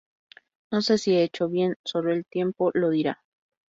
No sé si he hecho bien. Solo el tiempo lo dirá